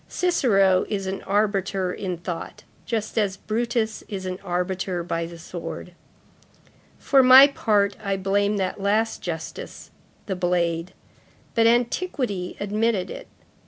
Cicero is an arbiter in thought, just as Brutus is an arbiter by the sword. For my own part, I blame that last justice, the blade; but, antiquity admitted it.